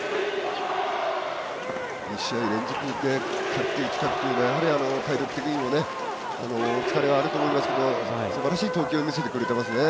２試合連続で１００球近くとやはり体力的にも疲れがあると思いますけどすばらしい投球を見せてくれていますね。